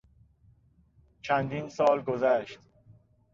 چندین سال گذشت.